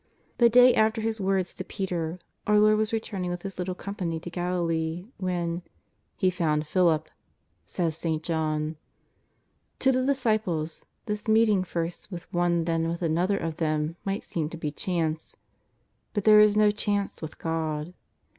The day after His words to Peter our Lord was re turning with His little company to Galilee when " He found Philip," says St. John. To the disciples this meeting first with one then with another of them might seem to be chance. But there is no chance w^ith God.